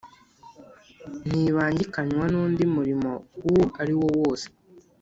ntibangikanywa n undi murimo uwo ari wo wose